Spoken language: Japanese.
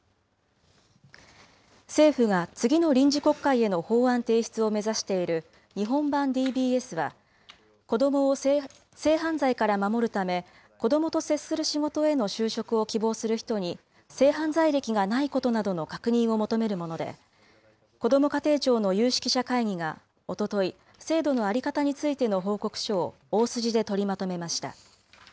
政府が次の臨時国会への法案提出を目指している日本版ＤＢＳは、子どもを性犯罪から守るため、子どもと接する仕事への就職を希望する人に、性犯罪歴がないことなどの確認を求めるもので、こども家庭庁の有識者会議がおととい、制度の在り方についての報告書を大筋で取りまとめました。